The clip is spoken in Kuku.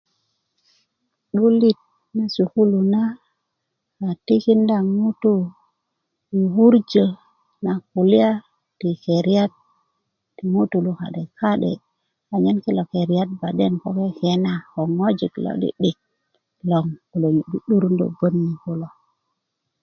'bulit na sukulu na a tikinda ŋutuu i wurjö na kulya ti keriyat ti ŋutulu ka'de ka'de' anyen kilo keriyat banden ko kekena ko ŋojik lo 'di'dik logon kulo nyu 'du'durundö bot ni kulo